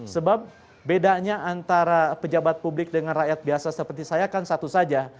sebab bedanya antara pejabat publik dengan rakyat biasa seperti saya kan satu saja